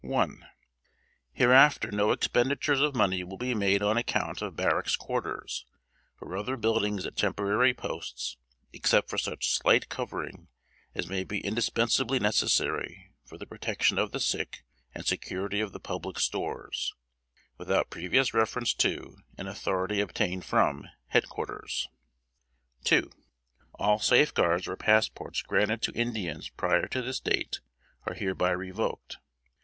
Hereafter no expenditures of money will be made on account of barracks quarters, or other buildings at temporary posts, except for such slight covering as may be indispensably necessary for the protection of the sick and security of the public stores, without previous reference to, and authority obtained from, head quarters. "II. All safe guards or passports granted to Indians prior to this date, are hereby revoked.